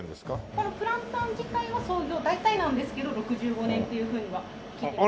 このプランタン自体は創業大体なんですけど６５年っていうふうには聞いてます。